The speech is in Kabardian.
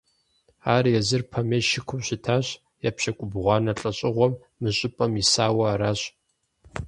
Ар езыр помещикыу щытащ, епщыкӀубгъуанэ лӀэщӀыгъуэм мы щӀыпӀэм исауэ аращ.